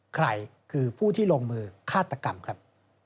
ใครคือผู้ที่ลงมือฆาตกรรมครับ